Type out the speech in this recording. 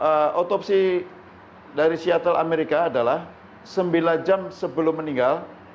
untuk otopsi dari seattle amerika adalah sembilan jam sebelum meninggal